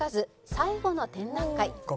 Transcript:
「最後の展覧会」